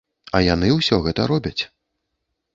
А яны ўсё гэта робяць.